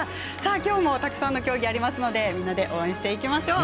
きょうもたくさんの競技、ありますのでみんなで応援していきましょう。